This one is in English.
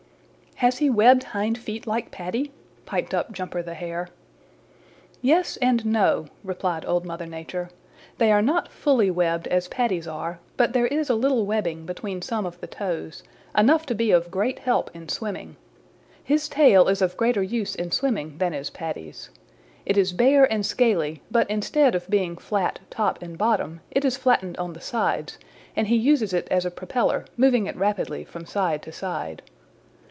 "Has he webbed hind feet like Paddy?" piped up Jumper the Hare. "Yes and no," replied Old Mother Nature. "They are not fully webbed as Paddy's are, but there is a little webbing between some of the toes, enough to be of great help in swimming. His tail is of greater use in swimming than is Paddy's. It is bare and scaly, but instead of being flat top and bottom it is flattened on the sides, and he uses it as a propeller, moving it rapidly from side to side.